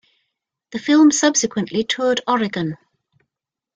The film subsequently toured Oregon.